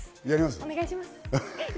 お願いします。